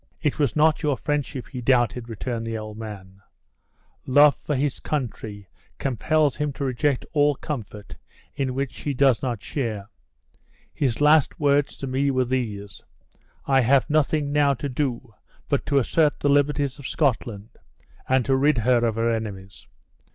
"It was not your friendship he doubted," returned the old man, "love for his country compels him to reject all comfort in which she does not share. His last words to me were these: 'I have nothing now to do but to assert the liberties of Scotland, and to rid her of her enemies.